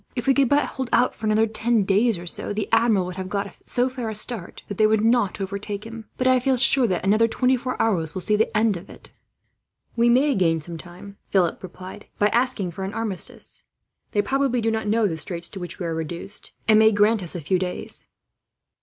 "If we could but hold out for another ten days or so, the Admiral would have got so fair a start that they would never overtake him. But I feel sure that another twenty four hours will see the end of it." "We might gain some time," Philip replied, "by asking for an armistice. They probably do not know the straits to which we are reduced, and may grant us a few days."